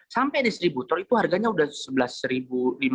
sampai distributor itu harganya sudah rp sebelas lima ratus